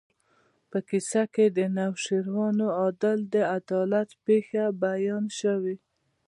په کیسه کې د نوشیروان عادل د عدالت پېښه بیان شوې.